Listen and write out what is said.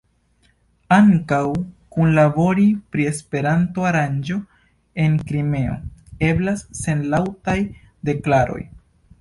Ankaŭ kunlabori pri Esperanto-aranĝo en Krimeo eblas sen laŭtaj deklaroj.